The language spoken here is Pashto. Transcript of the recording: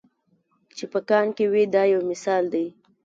چې په کان کې وي دا یو مثال دی.